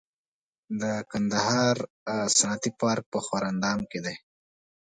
د کندهار صنعتي پارک په ښوراندام کې دی